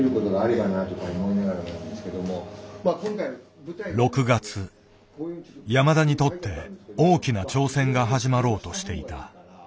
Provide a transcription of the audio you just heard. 山田にとって大きな挑戦が始まろうとしていた。